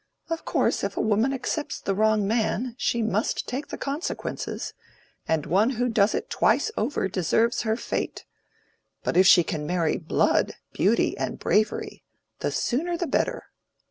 Of course if a woman accepts the wrong man, she must take the consequences, and one who does it twice over deserves her fate. But if she can marry blood, beauty, and bravery—the sooner the better."